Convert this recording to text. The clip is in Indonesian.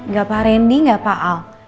gak pak rendy gak pak al